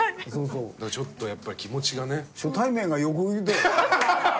だからちょっとやっぱり気持ちがね。初対面が横切る。